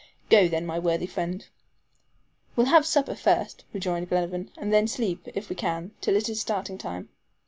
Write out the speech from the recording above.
"Go, then, my worthy friend," said Paganel. "We'll have supper first," rejoined Glenarvan, "and then sleep, if we can, till it is starting time."